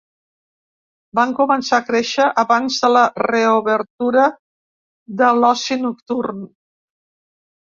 Vam començar a créixer abans de la reobertura de l’oci nocturn.